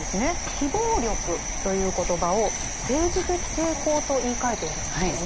「非暴力」という言葉を「政治的抵抗」と言いかえているんですよね。